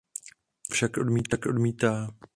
On však odmítá.